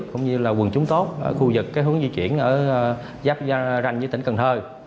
cũng như là quần trúng tốt ở khu vực hướng di chuyển giáp ranh với tỉnh cần thơ